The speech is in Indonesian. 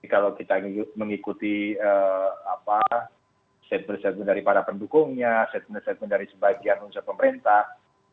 kalau kita mengikuti set berset dari para pendukungnya set berset dari sebagian pengusaha pemerintah